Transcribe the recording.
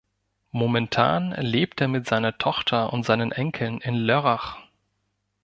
Momentan lebt er mit seiner Tochter und seinen Enkeln in Lörrach.